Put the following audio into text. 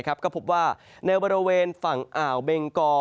ก็พบว่าในบริเวณฝั่งอ่าวเบงกอ